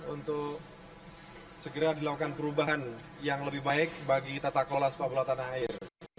untuk segera dilakukan perubahan yang lebih baik bagi tata kelola sepak bola tanah air